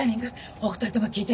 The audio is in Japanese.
お二人とも聞いて。